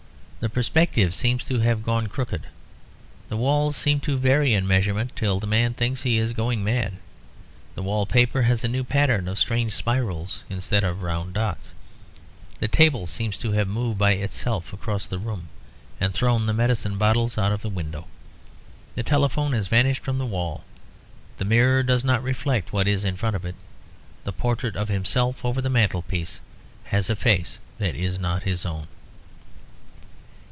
The perspective seems to have gone crooked; the walls seem to vary in measurement till the man thinks he is going mad. The wall paper has a new pattern, of strange spirals instead of round dots. The table seems to have moved by itself across the room and thrown the medicine bottles out of the window. The telephone has vanished from the wall; the mirror does not reflect what is in front of it. The portrait of himself over the mantelpiece has a face that is not his own.